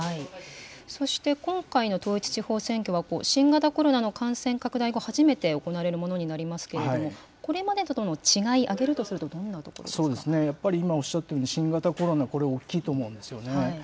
そして今回の統一地方選挙は、新型コロナの感染拡大後、初めて行われるものになりますけれども、これまでとの違い、挙げるとするやっぱり今おっしゃったように、新型コロナ、これ大きいと思うんですよね。